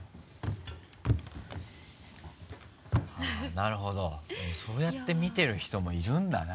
なるほどそうやって見てる人も居るんだな。